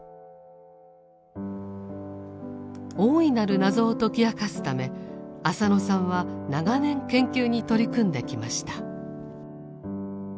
大いなる謎を解き明かすため浅野さんは長年研究に取り組んできました。